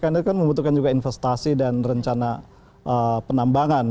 karena itu kan membutuhkan juga investasi dan rencana penambangan